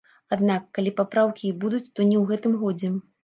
Аднак, калі папраўкі і будуць, то не ў гэтым годзе.